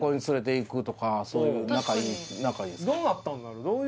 どうなったんだろう？